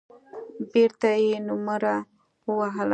بېرته يې نومره ووهله.